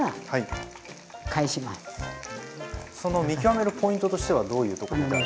その見極めるポイントとしてはどういうところ見たら。